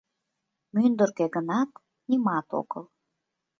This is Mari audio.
— Мӱндыркӧ гынат нимат огыл.